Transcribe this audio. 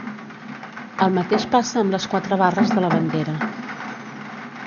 El mateix passa amb les quatre barres de la bandera.